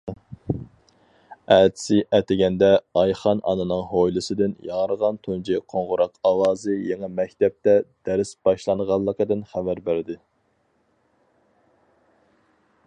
ئەتىسى ئەتىگەندە، ئايخان ئانىنىڭ ھويلىسىدىن ياڭرىغان تۇنجى قوڭغۇراق ئاۋازى يېڭى مەكتەپتە دەرس باشلانغانلىقىدىن خەۋەر بەردى.